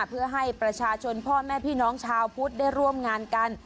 เพื่อให้ประชาชนพ่อแม่พี่น้องชาวพุทธได้ร่วมงานกัน